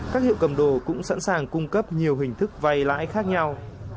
các hiệu cầm đồ cũng sẵn sàng cung cấp nhiều hình thức vay lãi khác nhau